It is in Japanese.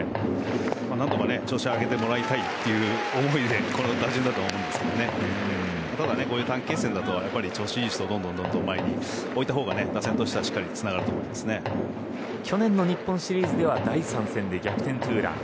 何とか調子を上げてもらいたいという思いでこの打順だと思いますがただ、こういう短期決戦だと調子がいい人をどんどん前に置いたほうが打線としては去年の日本シリーズで第３戦で逆転ツーラン。